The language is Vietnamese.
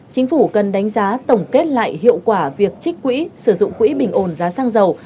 chính phủ cần đánh giá tổng kết lại hiệu quả việc trích quỹ sử dụng quỹ bình ồn giá sang giàu